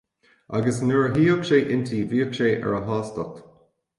agus nuair a shuíodh sé inti bhíodh sé ar a shástacht